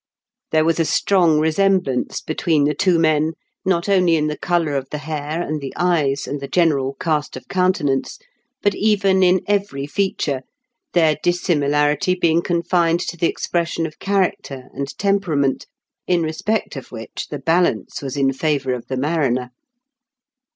There was a strong resemblance between the two men, not only in the colour of the hair and the eyes and the general cast of counte nance, but even in every feature, their dis similarity being confined to the expression of character and temperament, in respect of which the balance was in favour of the mariner.